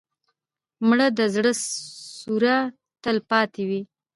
مړه د زړه سوره تل پاتې وي